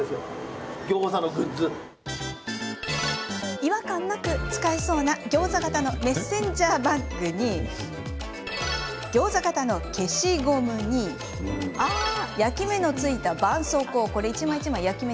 違和感なく使えそうなギョーザ形のメッセンジャーバッグにギョーザ形の消しゴムに焼き目のついたばんそうこう。